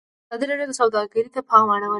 ازادي راډیو د سوداګري ته پام اړولی.